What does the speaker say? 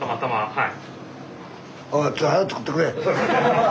はい。